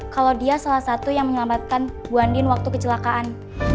kalau dia salah satu yang menyelamatkan buandin waktu kecelakaan